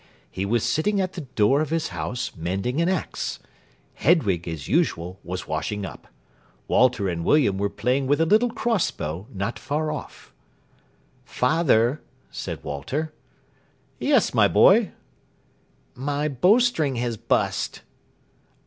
He was sitting at the door of his house mending an axe. Hedwig, as usual, was washing up. Walter and William were playing with a little cross bow not far off. "Father," said Walter. "Yes, my boy?" "My bow string has bust."